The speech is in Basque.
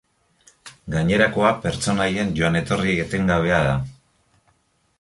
Gainerakoa pertsonaien joan-etorri etengabea da.